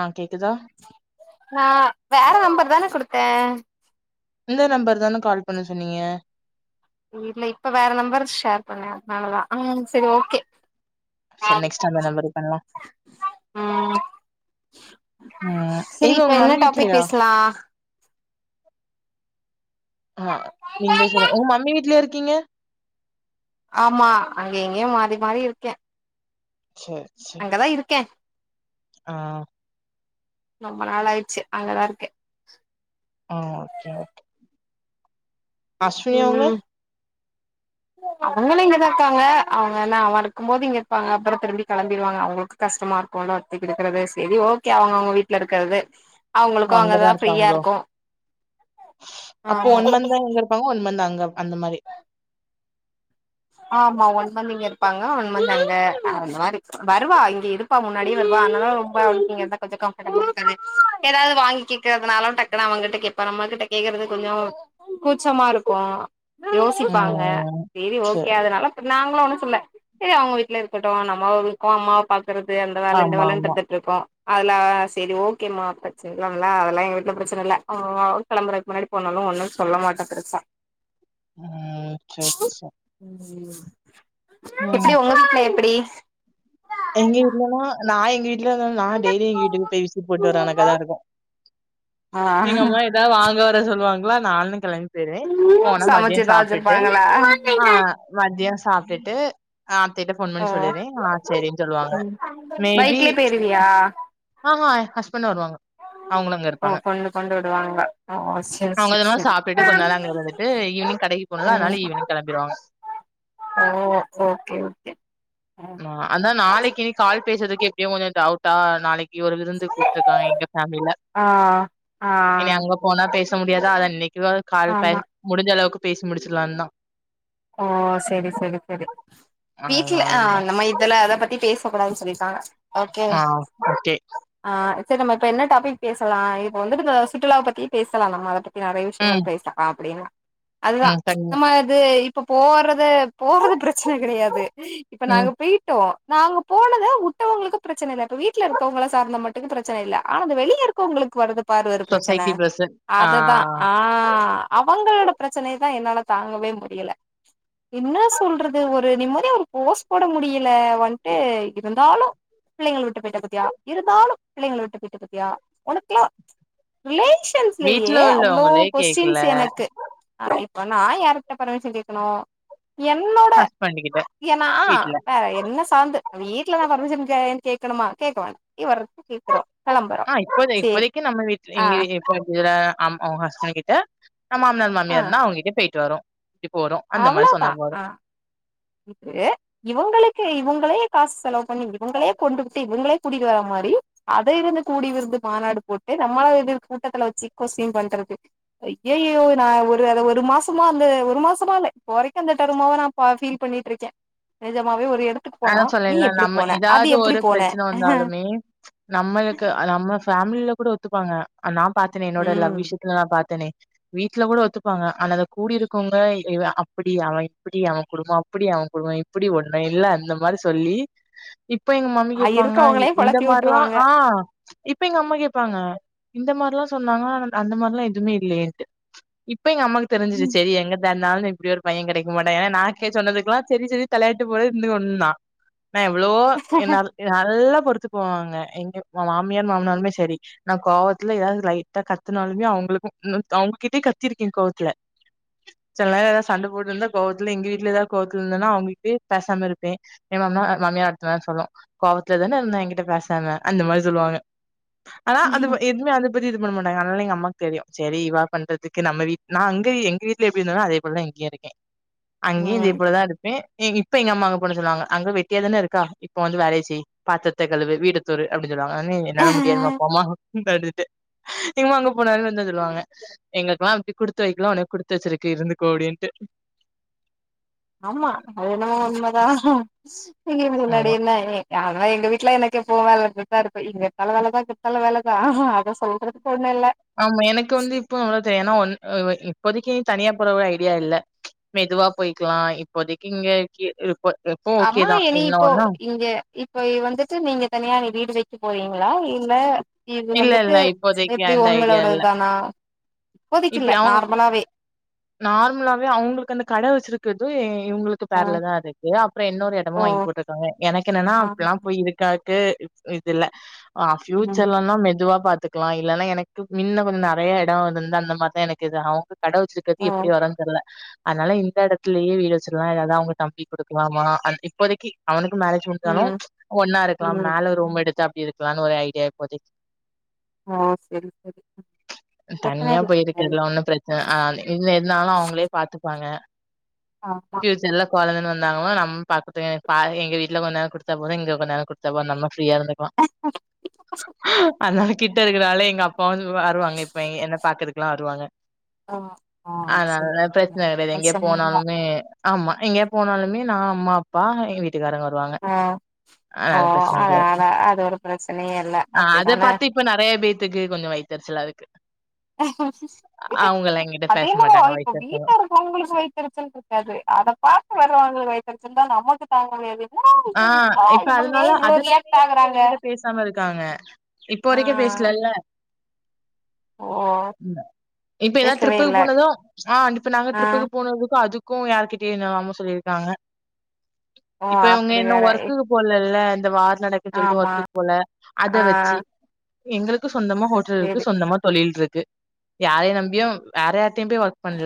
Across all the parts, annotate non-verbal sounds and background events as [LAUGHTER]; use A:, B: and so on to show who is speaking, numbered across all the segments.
A: அ கேக்குதா
B: நா வேற நம்பர்தானே குடுத்தே
A: இந்த நம்பர்தான கால் பண்ண சொன்னிங்க
B: உள் இல்ல இப்ப வேற நம்பர் ஷேர் பண்ணே அதனாலதா அ செரி ஓகே
A: சரி
B: ஆம்
A: நெக்ஸ்ட் அந்த நம்பருக்கு பண்லாம்.
B: ம்
A: ம்
B: செரி
A: எங்க
B: இப்ப
A: உங்க
B: என்ன
A: மம்மி
B: டாபிக்
A: வீட்லயா?
B: பேச்லா
A: அ நீங்ளே சொல்லு உங்க மம்மி வீட்லயா இருக்கீங்க
B: ஆமா அங்கே இங்கேயு மாறி மாறி இருக்கே அங்கதா இருக்கே
A: அ
B: ரொம்ப நாள் ஆயிடுச்சி அங்கதா இருக்கே
A: ஆ ஓகே ஓகே அஸ்வினி அவுங்க
B: அவுங்களு இங்கதா இருக்காங்க அவுங்க என்னா அவ இருக்கும்போது இங்க இருப்பாங்க அப்ரோ திரும்பி கிளம்பிருவாங்க அவங்களுக்கு கஷ்டமாறு கோலாத்தி விடுக்கிறதே சேரி ஓகே அவுங்க அவுங்க வீட்ல இருக்கிறது
A: அங்கதா இருப்பாங்களோ அப்ப
B: ஆமா
A: ஒன் மந்தா அங்க இருப்பாங்க ஒன் மந்த அங்க அந்த மாரி
B: ஆமா ஒன் மந்த் இங்க இருப்பாங்க ஒன் மந்த் அங்க அந்த மாரி வருவா இங்க இருப்பா முன்னாடியு வருவா அதனால ரொம்ப கொஞ்சோ கம்பர்டபுல் தானே ஏதாது வாங்கி கேக்றதுனால டக்கு அவங்கிட்ட கேப்பா கிட்ட கேக்றது கொஞ்சோ கூச்சமா இருக்கு யோசிப்பாங்க
A: ம்
B: சேரி ஓகே
A: சரி.
B: அதனால நாங்ளு ஒண்ணு ல்ல சேரி அவுங்க வீட்ல இருக்கட்டு நம்மவும் இருக்கோ அம்மாவ பாக்கறது அந்த வேல இந்த
A: ஆமா
B: வேலன்னு
A: ஆமா.
B: இருந்துட்டு இருக்கோ அதுலா செரி ஓகேம்மா ப்ரச்சன இல்லாமலா அதெல்லா எங்க வீட்ல பிரச்சன இல்ல அ கெலமுறக்கு முன்னாடி ஃபோன் ஒன்னு சொல்ல மாட்ட பெருசா
A: ம் செரி செரி
B: எப்டி ஒங்க வீட்ல எப்புடி
A: எங்க வீட்லலா நா எங்க வீ இல்லல்ல நா டெய்லி எங்க வீட்டுக்கு போய் விசிட் போட்டு வர கணக்கதா இருக்கு
B: ஆ
A: எங்க அம்மா ஏதா வாங்க வர சொல்லுவாங்ளா நானு கெளம்பி போய்டுவே போனா மதிய
B: சமைச்சுதா
A: சாப்டுட்டு
B: வச்சிருப்பாங்களா
A: ஆ மதிய சாப்டுட்டு ஆத்தைட்ட ஃபோன்
B: ஓ
A: பண்ணி சொல்லிருவே சேரினு சொல்வாங்க
B: ம்
A: மேபி
B: பைக்லயே போயிருவியா
A: ஆஹ்ஹா [UNINTELLIGIBLE] அவுங்களு அங்க
B: ஓ
A: இருப்பாங்க
B: கொண்டு கொண்டு விடுவாங்க ஓ செரி
A: அவங்களு
B: செரி
A: அங்க
B: செரி
A: சாப்ட்டு கொஞ்ச
B: ம்
A: நேர அங்க இருந்துட்டு ஈவ்னிங் கடைக்கு போனும்ல
B: ம்
A: ஆதனால ஈவ்னிங் கெளம்பிடுவாங்க
B: ஓ ஓகே ஓகே ம்
A: அதா நாளைக்கி நீ கால் பேசுதுக்கு எப்டியு கொஞ்ச டவுட்டா நாளைக் ஒரு விருந்து கூப்ட்ருக்காங்க எங்க ஃபேமிலில
B: ஆ ஆ
A: இனி அங்க போனா பேச பேச முடியாதா அதா இன்னைக்கு கால் பே
B: ஆமா
A: முடிஞ்ச அளவுக்கு பேசி முடிச்சிடலான்தா
B: ஓ செரி செரி செரி வீட்ல ஆ
A: அதனாலதா
B: நம்ம இதுல அத பத்தி பேசக்கூடாதுனு சொல்லிருக்காங்க
A: ஆ ஓகே
B: சரி நம்ம இப்ப என்ன டாபிக் பேசலா இப்ப வந்துட்டு இந்த சுற்றுலாவ பத்தியே பேசலா நம்ம வந்துட்டு நெறைய
A: ம்
B: விஷயங்கள் பேசலா அப்டினு அதுதா
A: ம் சரிங்க
B: நம்ம இது இப்ப போறது போறது பெரச்சன கெடையாது இப்ப
A: ம்
B: நாங்க போயிட்டோ நாங்க போனது வுட்டவங்களுக்கு பிரச்சனை இல்ல இப்ப வீட்ல இருக்கிறவுங்கள சார்ந்த மட்டுகு பிரச்சன இல்ல ஆனா இந்த வெளிய இருக்குவுங்களுக்கு வருது பாரு ஒரு பெரச்சன
A: சொசைட்டி ப்ரெசன்ட் ஆ
B: அதுதா ஆஹ் அவுங்களோட பெரச்சனய தா என்னால தாங்கவே முடியல என்ன சொல்றது ஒரு நிம்மதியா ஒரு போஸ்ட் போட முடியல வந்ட்டு இருந்தாலு பிள்ளைங்கள விட்டு போய்ட பத்தியா இருந்தாலு பிள்ளைங்கள விட்டு போய்ட பத்தியா உனக்குலா விலை ஷன்ஸ்லேயே
A: வீட்ல
B: அவ்ளோ
A: உள்ளவங்களே கேக்கல
B: கொஸ்ட்டின்ஸ் எனக்கு ஆபெ பண்ணா யாருட்ட பர்மிஷன் கேட்கணு என்னோட
A: ஹஸ்பண்ட் கிட்ட
B: ஏனா
A: வீட்ல
B: வேற என்ன சார்ந்து அ வீட் ட்ல நா பர்மிசன் கெயன் கேக்கணுமா கேக்கவேண்டா கி வரது
A: ஆஹ் இப்போத இப்போதைக்கு நம்ம வீட்ல
B: ஆ
A: எங்க இப்ப இததா ஆமா அவுங்க ஹஸ்பண்ட் கிட்ட நா மாமனார்
B: ஆ
A: மாமியார் இருந்தா அவுங்ககிட்ட போயிட்டு வரோ இப் போறோ அந்த மாரி சொன்னா போது
B: க்கு இவுங்களுக்கு இவுங்களே காசு செலவு பண்ணி இவுங்களே கொண்டு விட்டு இவுங்களே கூட்டிட்டு வர மாரி அதய இருந்து கூடி இருந்து மாநாடு போட்டு நம்மாள எதிர் கூட்டத்துல வச்சி கொஸ்டீன் பண்றது ஐய்யய்யோ நா ஒரு அத ஒரு மாசமா வந்து ஒரு மாசமா இல்ல இப்போ வரைக்கு அந்த தருமாவ நா பா ஃபீல் பண்ணிட்டுருக்கே நிஜமாவே ஒரு எ
A: அதா சொல்லேல நம்ம ஏதாவது ஒரு
B: போன
A: பெரச்சன வந்தாலுமே நம்மளுக்கு அ நம்ம ஃபேமில கூட ஒத்துப்பாங்க நா பாத்தேனே என்னோட
B: ம்
A: லவ் விஷயத்துல நா பாத்தேனே வீட்ல கூட ஒத்துப்பாங்க ஆனா அத கூடி இருக்கோங்கை இவ அப்டி அவே இப்டி அவே குடும்போ அப்டி அவ அவுங் குடும்போ இப்டி ஒன்ன இல்ல இந்த மாரி சொல்லி இப்ப எங்க மம்மி
B: அ
A: கேப்பாங்க
B: இருக்கவங்களையு
A: இந்த
B: கொழப்பி
A: மாரிலா
B: விட்டுருவாங்க
A: ஆ இப்ப எங்க அம்மா கேப்பாங்க இந்த மாரிலா சொன்னாங்க ஆனா அந்த மாரிலா ‌‌எதுமே இல்லயேன்ட்டு இப்ப எங்க அம்மாக்கு தெரிஞ்ரிச்சு
B: ம்
A: செரி எங்கத் தடுனாலு இப்டி ஒரு பையே கெடைக்க மாட்டா ஏனா நாக்கே சொன்னதுக்கெல்லா செரி செரி தலையாட்டு போல இருந்து ஒன்னா நா எவ்ளோ என்னால நல்ல பொறுத்து போவாங்க எங்க மாமியார் மாமனாருமே செரி நா கோவத்துல ஏதாவது லைட்டா கத்துனாலுமே அவுங்க உங்களுக்கு நெக்ஸ்டு அவுங்ககிட்டயே கத்திருக்கே கோவத்துல சில நேரோ எதாவது சண்ட போட்டு இருந்தா கோவத்துல எங்க வீட்ல எதாவது கோவத்துல இருந்தனா அவுங்ககிட்டயே பேசாம இரு பே என் மாமனார் மாமியார் அடுத்த நாள் சொல்லு கோவத்துல தான இருந்தா என்கிட்ட பேசாம அந்த மாரி சொல்லுவாங்க ஆனா அது பத் எதுவுமே அத பத்தி இது பண்ண மாட்டாங்க அதனால எங்க அம்மா தெரியு செரி இவ பண்றதுக்கு நம்ம வீட்‌‌‌‌ நான் அங்க எங்க வீட்ல எப்டி இருந்தேனோ அதே போல தா இங்கேயு இருக்கே அங்கேயு இதே போல தா இருப்பே இப்ப எங்க அம்மா அங் போன சொல்லுவாங்க அங்க வெட்டியா தான இருக்கா இப்ப வந்து வேலய செய் பாத்தரத்த கழுவு வீட்டத்தூரு அப்டின் சொல்லுவாங்க ஒடனே என்னால முடியாதுமா போமா ம் அப்டின்ட்டு எங்க அம்மா அங்க போனாலு இத தா சொல்லுவாங்க எங்களுக்கெல்லா அப்டி குடுத்து வைக்கல உனக்கு குடுத்து வச்சிருக்கு இருந்துகோ அப்டின்ட்டு
B: ஆமா அது என்னமோ உண்ம தா இங்கேயு
A: ஆமா
B: முன்னாடில்லயே அதலா எங்க வீட்ல எனக்கு எப்பவு வேல இருந்துகிட்டு தா இருக்கு இங்க இருந்தாலு வேல தா அங்க இருந்தாலு வேல தா அத சொல்றே
A: ஆமா எனக்கு வந்து இப்போ அவ்ளோ தெரியா ஏனா ஒன் அதுவாக்கி இப்போதைக்கு தனியா போற ஒரு ஐடியா இல்ல மெதுவா போயிக்கலா இப்போதைக்கு இங்க கீ இருப் போ எப்போ ஓகே
B: அம்மா
A: தா
B: இனி
A: என்ன
B: இப்போ
A: ஒண்ணு
B: இங்க இப்போ இது வந்துட்டு நீங்க தனியா வீடு வச்சு போறீங்களா இல்ல இது
A: இல்ல,
B: வந்துட்டு
A: இல்ல இப்போதைக்கு
B: எப்டி
A: அந்த ஐடியா
B: உங்களோடது
A: இல்ல.
B: தானா இப்போதைக்கு இல்ல
A: இப்படி அவங்க
B: நார்மலாவே
A: நார்மலாவே அவுங்களுக்கு அந்த கடை வச்சிருக்குறது எ இவுங்களுக்கு
B: ஆ
A: பேர்ல தா இருக்கு அப்றோ இன்னொரு எடமு
B: ஓ
A: வாங்கி போட்டுருக்காங்க எனக்கு என்னனா
B: ஆ
A: அப்டிலா போய் இருக்கா ட்டு இ இது இல்ல ஆ
B: ம்
A: ஃப்யூச்சர்லனா மெதுவா பாத்து த்துக்லா இல்லனா எனக்கு மின்ன கொஞ்ச நெறையா எடோ இருந்துருந்தா அந்த மார்தா எனக்கு இதாகு கட வச்சுக்க
B: ஓ
A: தி எப்டி வரன் தெர்ல அதனால இந்த எடத்துலயே வீடு வச்சுர்லா இல்லனா அவ்ங்க தம்பிக்கு குடுக்லாமா அன் இப்போதைக்கு அவனுக் மேரேஜ் முடிஞ்சாலு
B: ம்
A: ஒன்னா இருக்லா
B: ம்
A: மேல ரூம் எடுத்து அப்டி இருக்லானு ஒரு ஐடியா இப்போதைக்கி
B: ஆ செரி செரி பிரச்சன
A: தனியா
B: இல்ல
A: போயிருக்கிறதுலா ஒன்னு பிரச்சன ஆ அந்த இனிமே என்ன ஆனாலு அவுங்களே பாத்துப்பாங்க
B: ஆமா
A: ஃபியூச்சர்லக் கொழந்தனு வந்தாங்கலு நம் பாக்கட்டு பாதி எங்க வீட்ல கொஞ்ச நேர குடுத்தா போது இங்க கொஞ்ச நேர குடுத்தா போது நம்ம ஃப்ரீயா இருந்துக்கலா அதனால கிட்ட இருக்கனால எங்க அப்பா வந்து வருவாங்க இப்ப என்ன பாக்குறதுக்குலா வருவாங்க
B: ஆ ஆ சரி
A: அதனாலதா
B: சரி
A: பிரச்சன வேற எங்கெ
B: பிரச்சன இல்ல
A: போனாலுமே ஆமா எங்கே போனாலுமே நா அம்மா அப்பா எங்க வீட்டுக்காரங்க வருவாங்க
B: ஆ ஓ
A: அதனால பிரச்சன கெடையாது
B: அதனால அது ஒரு பிரச்சனையே இல்ல
A: அத
B: அப்டிதான
A: பாத்து இப்ப நெறையா பேத்துக்கு கொஞ்ச வைத்தெருச்சல் சலா இருக்கு அவங்கலாம் என்கிட்ட
B: அது
A: பேச
B: என்னவோ
A: மாட்டாங்க
B: இப்ப
A: வயித்தெரிச்சலும்.
B: வீட்ல இருக்குறவ்ங்களுக்கு வைத்தெரிச்சல் இருக்காது அத பாக்க வர்றவ்ங்களுக்கு வைத்தெரிச்சல் இருந்தா நமக்கு தாங்க முடியாது என்னடா
A: ஆ
B: இது என்னப்பா
A: இப்ப
B: இவங்க ஏ
A: அதுனால
B: இவ்ளோ ரியாக்ட்
A: அதுனாலயே அவுங்க
B: ஆகுறாங்க
A: எங்கிட்ட பேசாம இருக்காங்க‌ இப்போ
B: ஆ
A: வரைக்கு பேசல எல்ல
B: ஓ
A: இப்ப எதாது
B: பேசவே
A: ட்ரிப்புக்கு
B: இல்ல
A: போனது ஆ இப்ப நாங்க
B: ஆ
A: ட்ரிப்புக்கு போனதுக்கு அதுக் கு யாருகிட்டயு என்னலாமோ சொல்லிருக்காங்க
B: ஓ
A: இப்ப இவ்ங்க
B: அப்டி
A: இன்னு
B: வேற
A: ஒர்க்குக்கு போலல இந்த வார் நடக்குன் சொல்ட்டு
B: ஆமா
A: ஒர்க்குக்கு போல அத
B: ஆ
A: வச்சு எங்களுக்கு சொந்தமா ஹோட்டல்
B: செரி
A: இருக்கு சொந்தமா தொழில் இருக்கு யாரையு நம்பியு வேற யார்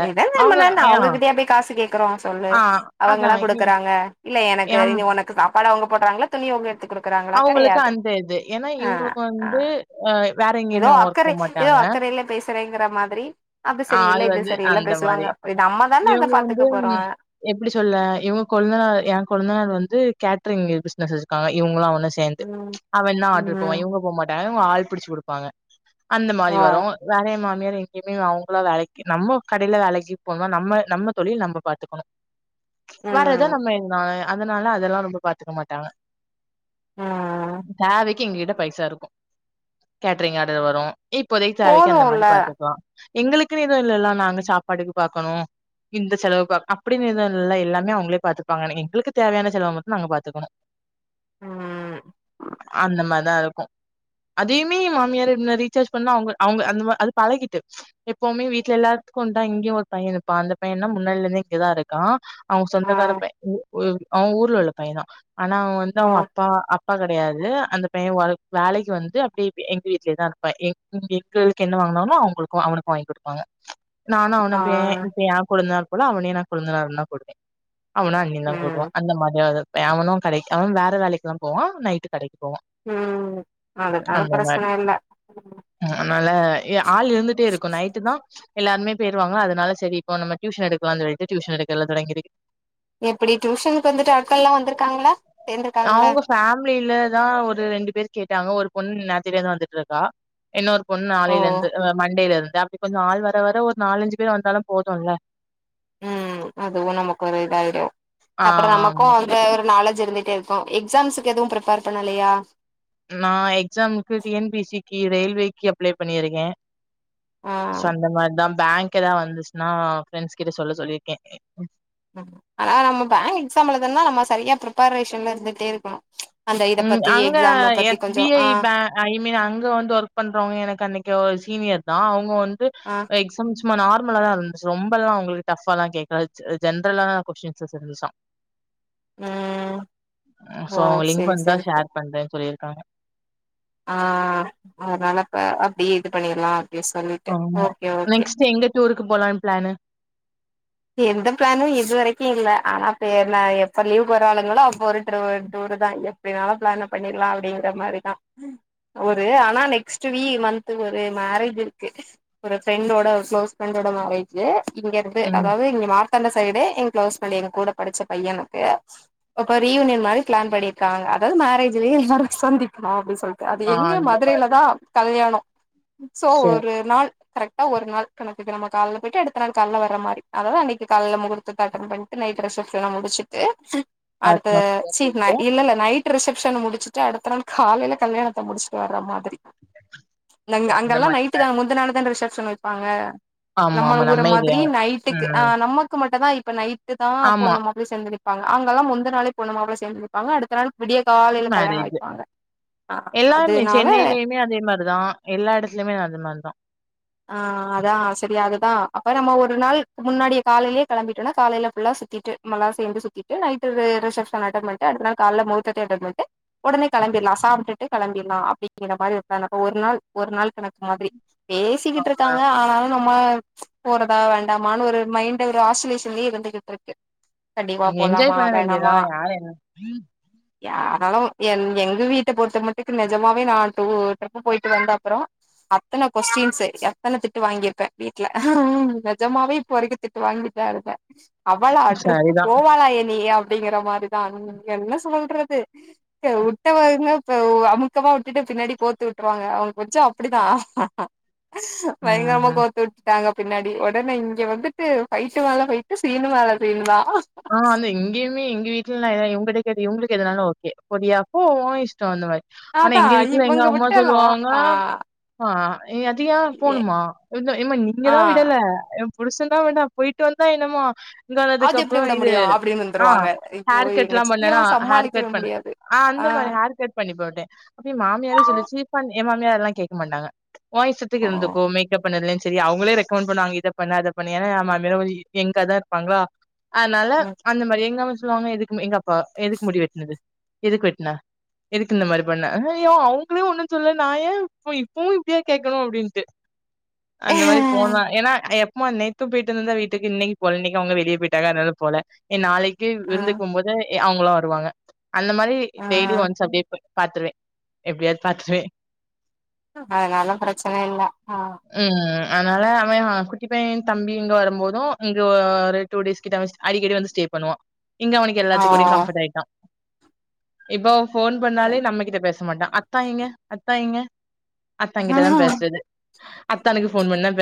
B: நீ தான கல்யாண பண்ண நா அவ்ங்ககிட்டயா போய் காசு கேக் குறோ சொல்லு
A: ஆ
B: அவங்களா
A: அதான் எ
B: குடுக்குறாங்க இல்ல எனக்கு
A: எம்
B: இனி ஒனக்கு காப்பாடு அவ்ங்க போட்றாங்களா துணி அவ்ங்க எடுத்
A: அவுங்களுக்கு அந்த இது ஏனா இவ்ங்களுக்கு வந்து அ வேற
B: எதோ
A: எங்கேயுமே ஒர்க் போ
B: அக்கறை எதோ
A: மாட்டாங்க.
B: அக்கறைல பேசுறேங்கிற மாதிரி அது
A: ஆ
B: செரி இல்ல இது
A: வந்து
B: செரி இல்ல
A: அந்த மாரி.
B: பேசுவாங்க இத நம்ம தானே அத பாத்துக்க போறோ
A: எப்டி சொல்ல இவுங்க கொழுந்தனார எ கொழுந்தனாரு வந் ந்து கேட்ரி்ங் இது பிஸ்னஸ் வச்சுருக்காங்க இவுங்களா ஒன்னு சேந்து
B: ம்
A: அவந்தா ஆட்ரு போவா
B: ம்
A: இவ்ங்க போ மாட்டாங்க இவ்ங்க ஆள் பிடிச்சு குடுப்பாங்க அந்த மாரி
B: ஆ
A: வரு வேற எ மாமியாரு எங்கேயுமே அவ்ங் களா வேலைக்கு நம்ம கடைல வேலைக்கு போணு நம்ம நம்ம தொழில் நம்ம பாத்துக்கணு வரத
B: ம்
A: நம்ம எதுனால அதனால அதெல்லா ரொம்ப பாத்துக்க மாட்டாங்க
B: ம்
A: தேவைக்கு எங்ககிட்ட பைசா இருக்கு கேட்ரிங் ஆர்டர் வரு இப்போதைக்கு தேவைக்கு அந்த
B: போதுல்ல
A: மாரி பாத்துக்குறோ எங்களுக்குன்னு எதுவு இல்லல்ல நாங்க சாப்பாடுக்கு பாக்கணு இந்த செலவுக அப்டினு எதுவு இல்ல எல்லாமே அவ்ங்களே பாத்துப்பாங்கனே எங்களுக்கு தேவையான செலவ மட்டு நாங்க பாத்துக்கணு
B: ம்
A: அந்த மார் தா இருக்கு அதையுமே எ மாமியாரு என்ன ரீசார்ஜ் பண்ணா அவ்ங்க அவ்ங்க அந்த மார் அது பழகிட்டு எப்பவுமே வீட்ல எல்லார்த்துக்குந் தா இங்கயு ஒரு பைய இருப்பா அந்த பையன்னா முன்னாடில இருந்தே இங்கதா இருக்கா அவ்ங்க
B: ஆ
A: சொந்தக்கார பைய ம் உ அவ்ங்க ஊர்ல உள்ள பையந்தா ஆனா அவ்ங்க வந்து
B: ஆ
A: அவ்ங்க அப்பா அப்பா கட் கெடையாது அந்த பைய வொல் வேலைக்கு வந்துட்டு அப்டி இப்டி எங்க வீட்லே தா இருப்பா [INAUDIBLE] எங்களுக்கு என்ன வாங்குனாலு அதா அவ்ங்களுக்கு அவனுக் கு வாங்கி குடுப்பாங்க நானு
B: ஆ
A: அவன இப்பே இப்ப ஏ கொழுந்தனார் போல அவனயு நா கொழுந்தனாருந்தா கூப்டுவே அவனு அண்ணின் தா கூப்டுவா
B: ம்
A: அந்த மாதிரியா இருப்பே அவனு கடைக் அவனு வேற வேலைக்குத்தான் போவா நைட்டு கடைக்கு போவா
B: ம் அதனால
A: அந்த மாரி
B: பிரச்சன இல்ல
A: ம் னால ஏ ஆள் இருந் க்கு நைட்டு தா எல்லாருமே போய்ருவாங்க அதனால செரி இப்போ நம்ம டியூஷன் எடுக்லான் சொல்லிட்டு டியூஷன் எடுக்கெல்லா தொடங்கிரு
B: எப்டி டியூஷனுக்கு வந்துட்டு அக்கால்லா வந்திருக்காங்களா சேந்திருக்காங்களா
A: அவங்க ஃபேமிலிலதா ஒரு ரெண்டு பேர் கேட்டாங்க ஒரு பொண்ணு நேத்தில இருந்து வந்துட்டு இருக்கா இன்னொரு பொண்ணு
B: ஓ
A: நாளையில இருந்து மண்டேல இருந் அப்டி கொஞ்சோ ஆள் வர வர ஒரு நாலஞ்சு பேர் வந்தாலு போதுல்ல
B: உம் அதுவு நமக்கு ஒரு இதாயிடு அப்றோ நமக்கு
A: ஆமா.
B: வந்து ஒரு நாலஞ்சு ச்சு இருந்துடே இருக்கு எக்ஸாம்ஸக்கு எதுவு ப்ரீப்பேர் பண்ணலயா
A: நா எக்ஸாமக்கு டிஎன்பிசிக்கு ரயில்வேக்கு அப்ளை பண்ணியிருக்கே
B: ஆ
A: சே அந்த மாரிதா பேங்க் எதா வந்துச்சுன்னா ஃபிரெண்ஸ் கிட்ட சொல்ல சொல்லியிருக்கே
B: ஆன நம்ம பேங்க் எக்ஸாம் எழுதனுனா நம்ம சரியா ப்ரிப்பரேஷன்ல இருந்துட்டே இருக்கணு அந்த இத
A: ம்
B: பத்தி
A: அங்க
B: எக்ஸாம பத்தி
A: எஸ்
B: கொஞ்சோ
A: பி ஐ
B: ஆ
A: பே ஐ மீன் அங்க வந்து ஒர்க் பண்றவங்க எனக்கு அன்னைக்கு சீனியர் தா அவங்க வந்து
B: ஆ
A: எக்ஸா சும்மா நார்மல தான் இருந்துச்சு ரொம்பல்லா உங்களுக்கு டஃப்பாலா கேட்கா ஜென்ரலான நா கொஸ்டின்ஸஸ் இருந்துச்சா
B: ம்
A: சோ
B: ஓ
A: அவங்க லிங்க்
B: செரி
A: வந்துா
B: செரி செ
A: ஷேர் பண்றேன்னு சொல்லியிருக்காங்க
B: ஆ அதனால இப்பே அப்டியே இது பண்ணிடலா
A: ஆ நெக்ஸ்ட் எங்க டூருக்கு போலான் பிளானு
B: எந்த பிளானு இது வரைக்கு இல்ல ஆனாப்ப எப்ப லீவ் போற ஆளுங்களோ அப்ப ஒரு டூர் அதுதா எப்டினாலு பிளான பண்ணிடலா அப்டிங்கற மாரிதா ஒரு ஆனா நெக்ஸ்ட் வீ மந்த்த் ஒரு மேரேஜ் இருக்கு ஒரு ஃப்ரெண்டோட ஒரு க்ளோஸ் ஃப்ரெண்டோட இந்தாமா வெஜ்ஜு இங்க
A: ம்.
B: அதாது இங்க மார் அந்த சைடு என் க்ளோஸ் ஃபிரெண்டு எ கூட படுச்ச பையனுக்கு அப்ப ரீயூனிய மாரி பிளான் பண்ணிருக்காங்க அதாது மேரேஜ்லேயேல்லாரு சந்திப்போ அப்டின்னு சொல்ட் அது
A: ஆ
B: எங்க
A: அந்த மாரி.
B: மதுரையில தா கல்யாணோ சோ
A: சரி.
B: ஒரு நாள் கரெக்ட் ஒரு நாள் கணக்கு நம் காலயிட்டு அடுத்த நாள் கால வர மாரி அததா அன்னைக்கு கால முகூர்தத்த அட்டன் பண்ணிட்டு நைட் ரிசப்ஷன்லா முடிச்சிட்டு அடுத்த
A: பாத்மா வழியா
B: சீ நா
A: போயிட்டு
B: இல்ல இல்ல நைட் ரிசப்ஷன முடிச்சுட்டு அடுத்த நாள் காலையில கல்யாணத்தை முடிச்சுட்டு வர மாரி
A: சோ அந்த
B: அங்கெல்லா
A: மாரி
B: நைட்டு தா
A: பிளான்.
B: முந்த நாளு தா ரிசப்ஷன் வெப்பாங்க
A: ஆமா,
B: நம்மல
A: ஆமா.
B: ஊர
A: நம்ம ஏரியா.
B: மாரி நைட்டுக்கு ஆ
A: ம்.
B: நமக்கு மட்டுமதா இப்ப நைட்டு தா
A: ஆமா.
B: பொண்ணு மாப்புள சேந்து நிக் ப்பாங்க அங்கெல்லா முந்த நாளே பொண்ணு மாப்புள சேர்ந்து நிப்பாங்க அடுத்த நாள் விடிய காலைல கல்யாண வெப்பாங்க
A: எல்லாருமே சென்னையிலயுமே அதே மாரிதா எல்லா எடத்துலயுமே அதே மாரிதா
B: ஆ அதா செரி அதுதா அப்ப நம்ம ஒரு நாள் முன்னாடியே காலையிலயே கெளம்பிட்டோம்னா காலையில ஃபுல்லா சுத்திட்டு மறு நாள் சேந்து சுத்திட்டு நையிட்டு ரிசப்சன் அட்டன் பன்னிட்டு அடுத்த நாள் காலைல முகூர்த்த அட்டன் பண்ணிட்டு கெளம்பவேண்டியது தா கெளம்பிடலா சாப்பிட்டுட்டு கெளம்பிடலாம அப்டிங்கிற மாரி ஒரு நாள் ஒரு நாள் கணக்கு மாதிரி தூங்கிட்டு
A: ஆ
B: இருக்காங்க ஆனாலு நம் போறதா வேண்டாமான்னு ஒரு மைண்டு ஒரு ஆசுலேஷன்லயே இருந்துகிட்டு இருக்கு கண்டிப்பா
A: என்ஜாய்
B: போலாமா
A: பண்ண
B: வேணாமா
A: வேண்டியதுதான் யார் என்ன
B: யா அனாலு என் எங்க வீட்ட பொறுத்த மட்டுக்கு நிஜமாவே நா டூர் ட்ரிப்பு போயிட்டு வந்த அப்றோ அத்தன கொஸ்டீன்ஸ்சு எத்தன திட்டு வாங்கியிருப்பே வீட்டுல ஆம் நெஜமாவே இப்ப வரைக்கு திட்டு வாங்கிட்டு தா இருக்கே அவளா டிரிப்பு
A: சரிதான்.
B: போவாளா இனி அப்படிங்கிற மாரிதா நீ என்ன சொல்ல விட்றது வுட்டவளுக அமுக்கமா விட்டுட்டு பின்னாடி கோத்து விட்டுருவாங்க அவங்க புச்சு அப்டி நா பயங்கரமா
A: ம்.
B: கோத்து விட்டுட்டாங்க பின்னாடி ஒடனே இங்க வந்துட்டு ஃபைட்டு மேல ஃபைட்டு சீனு மேல சீனு தா
A: ஆ வந்து எங்கயமே எங்க வீட்டுலேல எவ் விட கேட்ட இவுங்களுக்கு எதனாலு ஓகே போரியா போ உ இஷ்டோ அந்த மாரி ஆனா
B: அதா
A: எங்க வீட்டுல எங்க
B: இவங்க
A: அம்மா
B: விட்டாலு
A: சொல்லுவாங்க
B: ஆ
A: ஆ ஏ அத்தியா
B: ஏ
A: போணுமா ஏமா இங்கதா
B: ஆ
A: விடல புருசந்தா வேண்டா போயிட்டு வந்தா என்னமா இங்க
B: அது
A: அதுக்கப் அப்ப
B: எப்டி விட
A: இது
B: முடியு அப்டின்னு
A: ஆ
B: வந்துருவாங்க ஐயோ
A: ஹேர்
B: எங்க
A: கட்லா பண்ணேனா
B: சித்தியெல்லா
A: ஹேர்
B: சமாளிக்கவே
A: கட் பண்ணே
B: முடியாது
A: ஆ அந்த மாரி ஹேர் கட் பண்ணி போட்டே அப்டி மாமியாரே சொல்லிச்சு பண்ணு ஏ மாமியா அதெல்லா கேக்க மாட்டாங்க ஓ இஷ்டத்துக்கு இருந்துக்கோ மேகப் பண்ணதுலையு செரி அவங்களே ரெக்கமண்ட் பண்ணுவாங்க இத பண்ணு அத பண்ணு ஏனா மாமியாரு கொஞ்சோ எங்கா தா இருப்பாங்களா அதனால
B: ம்
A: அந்த மாரி எங்கம்மா சொல்லுவாங்க எதுக்கு எங்க அப்பா எதுக்கு முடி வெட்னது எதுக்கு வெட்ன எதுக்கு இந்த மாதிரி பண்ண அய்யோ அவங்களே ஒன்னு சொல்ல நா ஏ இப் இப்பவு இப்படியா கேட்கணு அப்டின்ட்டு அந்த மாரி போன ஏனா எப்போ நேத்து போயிட்டு வந்தேதா வீட்டுக்கு இன்னைக்கு போல இன்னைக்கு அவுங்க வெளிய போயிட் டாங்க அதனால போல ஏ நாளைக்கு
B: ஆ
A: விருந்துக்கு போது அவுங்களு வருவாங்க அந்த மாரி
B: ஆ
A: டெய்லி ஒன்ஸ் அப்டியே போய் பாத்துருவே எப்டியாவது பாத்துருவே
B: அதனால பிரச்சன இல்ல ஆ
A: ம் அதனால அவே அ குட்டி பைய தம்பி இங்க வரும்போது இங்க அ டூடேஸ் கிட்ட ஒன்ஸ் அடிக்கடி வந்து ஸ்டே பண்ணுவா இங்க அவனுக்கு
B: ஆ
A: எல்லாத்து கூடையு கம்ஃர்ட் ஆயிட்டா இப்போ ஃபோன் பண்ணாலே நம்ம கிட்ட பேச மாட்டா அத்தா எங்க அத்தா எங்க அத்தா கிட்ட தா
B: ஓ
A: பேசுறது அத்தானுக்கு ஃபோன் பண்ணி பே